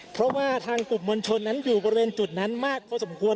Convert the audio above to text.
เพราะว่าทางกลุ่มมวลชนนั้นอยู่บริเวณจุดนั้นมากพอสมควร